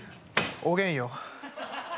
おげんよ！